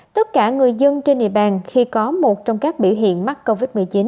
tất cả người dân trên địa bàn khi có một trong các biểu hiện mắc covid một mươi chín